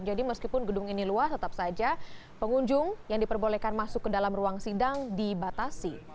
jadi meskipun gedung ini luas tetap saja pengunjung yang diperbolehkan masuk ke dalam ruang sidang dibatasi